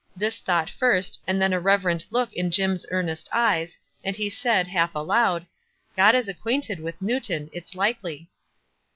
This thought first, and then a reverent look in Jim's earnest eyes, and he said, half aloud, "God is acquainted with Newton, it's likely."